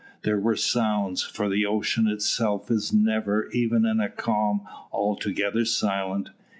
There were sounds, for the ocean itself is never, even in a calm, altogether silent.